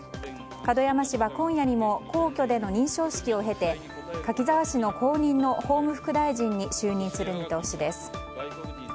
門山氏は今夜にも皇居での認証式を経て柿沢氏の後任の法務副大臣に就任する見通しです。